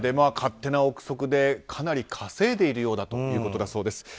勝手な憶測でかなり稼いでいるようだということだそうです。